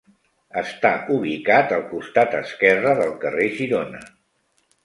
Està ubicat al costat esquerre del carrer Girona.